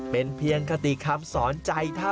เป็นเพียงคติคำสอนใจท่าน